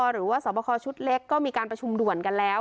หรือว่าสอบคอชุดเล็กก็มีการประชุมด่วนกันแล้ว